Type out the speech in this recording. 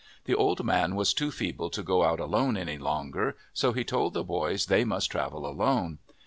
The old man was too feeble to go out alone any longer, so he told the boys they must travel alone.